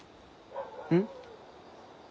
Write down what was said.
うん？